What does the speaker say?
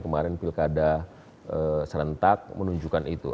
kemarin pilkada serentak menunjukkan itu